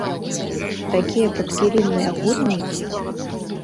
Такія падкілімныя гульні ідуць.